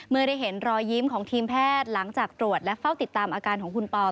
เมื่อได้เห็นรอยยิ้มของทีมแพทย์หลังจากตรวจและเฝ้าติดตามอาการของคุณปอ